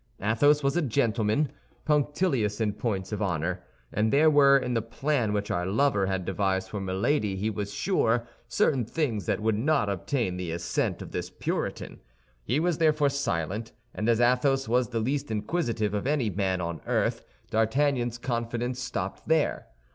Athos was a gentleman, punctilious in points of honor; and there were in the plan which our lover had devised for Milady, he was sure, certain things that would not obtain the assent of this Puritan. He was therefore silent; and as Athos was the least inquisitive of any man on earth, D'Artagnan's confidence stopped there.